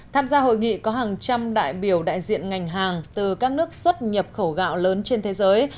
tham gia hội nghị có hàng trăm đại biểu đại diện ngành hàng từ các nước xuất nhập khẩu gạo lớn trên thế giới